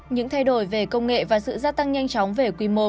những thay đổi về công nghệ và sự gia tăng nhanh chóng về quy mô